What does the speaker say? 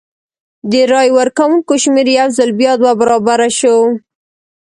د رای ورکوونکو شمېر یو ځل بیا دوه برابره شو.